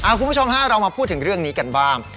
คุณผู้ชมฮะเรามาพูดถึงเรื่องนี้กันบ้าง